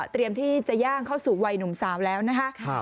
ที่จะย่างเข้าสู่วัยหนุ่มสาวแล้วนะคะ